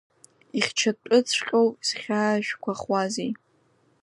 Ихьчатәыҵәҟьоу зхьаажәгахуазеи…